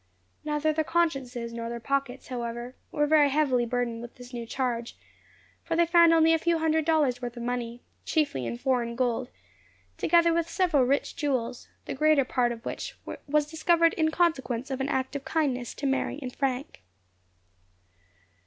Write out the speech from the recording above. Neither their consciences nor their pockets, however, were very heavily burdened with this new charge; for they found only a few hundred dollars' worth of money, chiefly in foreign gold, together with several rich jewels, the greater part of which was discovered in consequence of an act of kindness to Mary and Frank.